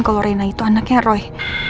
kalau reina itu anaknya roy